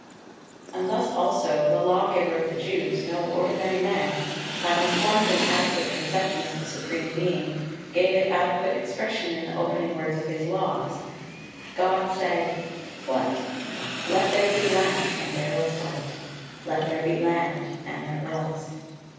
[Footnote 5: Il. xiii. 18; xx. 60; xiii. 19, 27.] 9 And thus also the lawgiver of the Jews, no ordinary man, having formed an adequate conception of the Supreme Being, gave it adequate expression in the opening words of his "Laws": "God said" what? "let there be light, and there was light: let there be land, and there was."